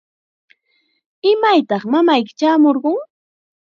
¿Imaytaq mamayki chaamurqun?